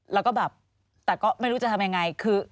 แล้วก็แบบแต่ก็ไม่รู้จะทำยังไงคือ